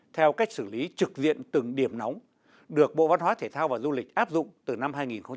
theo cách xử lý trực diện từng điểm nóng được bộ văn hóa thể thao và du lịch áp dụng từ năm hai nghìn một mươi